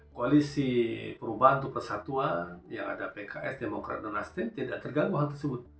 koalisi perubahan untuk persatuan yang ada pks demokrat dan nasdem tidak terganggu hal tersebut